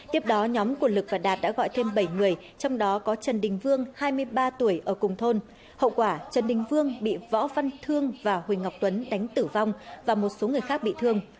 tiếp đó nhóm của lực và đạt đã gọi thêm bảy người trong đó có trần đình vương hai mươi ba tuổi ở cùng thôn hậu quả trần đình vương bị võ văn thương và huỳnh ngọc tuấn đánh tử vong và một số người khác bị thương